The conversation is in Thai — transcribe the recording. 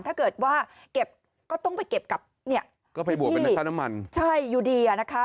ถ้าเกิดว่าเก็บก็ต้องไปเก็บกับพี่ใช่อยู่ดีนะคะ